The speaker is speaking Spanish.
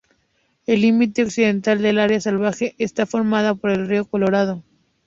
El límite occidental del área salvaje está formado por el río Colorado.